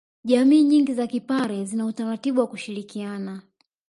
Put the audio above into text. Jamii nyingi za kipare zina utaratibu wa kushirikiana